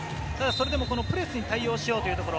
プレスに対応しようというところ。